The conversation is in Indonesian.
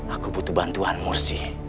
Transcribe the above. aku butuh bantuan mursi